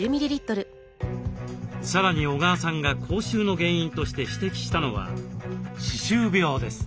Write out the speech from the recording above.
さらに小川さんが口臭の原因として指摘したのは歯周病です。